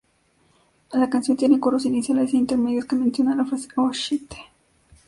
La canción tiene coros iniciales e intermedios que mencionan la frase ""Oh Shit!